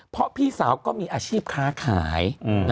เพราะพี่สาวก็มีอาชีพค้าขาย